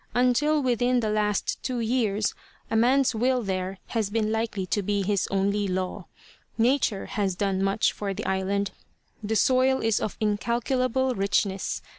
Until within the last two years, a man's will there has been likely to be his only law. Nature has done much for the island. The soil is of incalculable richness.